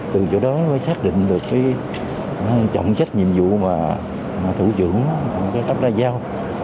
từ chỗ đó mới xác định được cái trọng trách nhiệm vụ mà thủ trưởng cấp ra giao